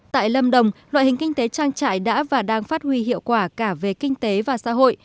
tại lâm đồng loại hình kinh tế trang trại đã và đang phát huy hiệu quả cả về kinh tế và xã hội